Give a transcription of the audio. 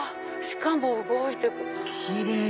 しかも動いてる！